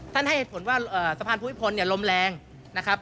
ท่านให้เหตุผลว่าสะพานภูมิพลลมแรงนะครับ